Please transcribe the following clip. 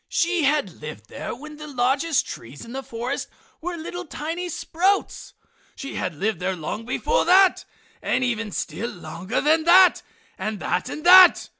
She had lived there when the largest trees in the forest were tiny little sprouts. She had lived there long before that, and even still longer than that, and that, and that.